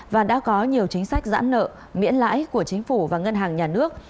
và đã có nhiều chính sách giãn nợ miễn lãi của chính phủ và ngân hàng nhà nước